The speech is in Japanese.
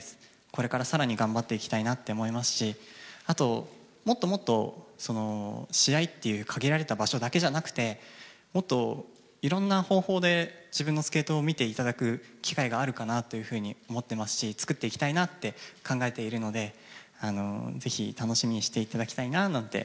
これから更に頑張っていきたいなって思いますし、あと、もっともっと試合という限られた場所だけじゃなくて、もっといろんな方法で自分のスケートを見ていただく機会があるかなと思っていますし作っていきたいなって考えているので、ぜひ楽しみにしていただきたいななんて